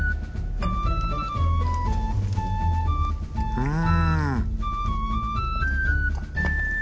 うん